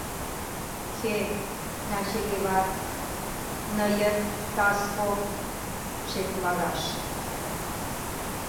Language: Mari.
Хе, наче еват... ныйыт таско... шеп лагаш...